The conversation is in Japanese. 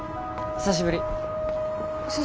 久しぶり。